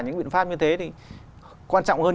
những biện pháp như thế thì quan trọng hơn